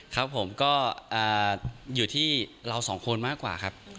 ก็อยู่ที่เรา๒คนมากกว่าครับ